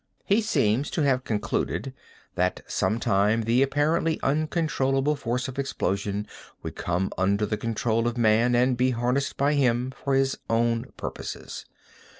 He seems to have concluded that some time the apparently uncontrollable forces of explosion would come under the control of man and be harnessed by him for his own purposes.